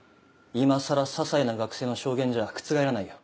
今さらささいな学生の証言じゃ覆らないよ。